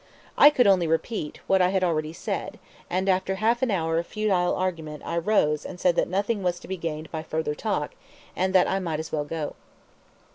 I could only repeat what I had already said, and after half an hour of futile argument I rose and said that nothing was to be gained by further talk and that I might as well go.